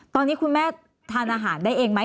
ตอนนี้คุณแม่ทานอาหารได้เองไหม